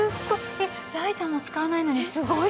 えっライターも使わないのにすごいね。